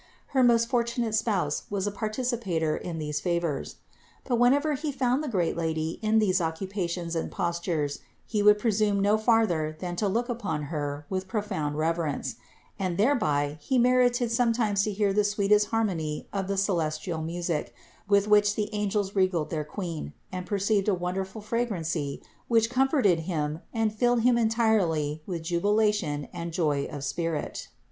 Her most fortunate spouse was a participator in these favors. But whenever he found the great Lady in these occupations and postures, he would presume no farther than to look upon Her with profound reverence ; and thereby he merited sometimes to hear the sweetest harmony of the celestial music, with which the angels regaled their Queen, and perceived a wonderful fragrancy 348 CITY OF GOD which comforted him and filled him entirely with jubila tion and joy of spirit.